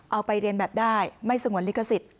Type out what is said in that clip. เอาไปเรียนแบบได้ไม่สงวนลิขสิทธิ